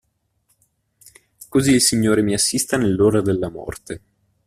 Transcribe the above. Così il Signore mi assista nell'ora della morte.